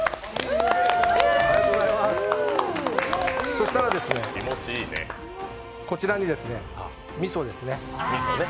そしたら、こちらにみそですね。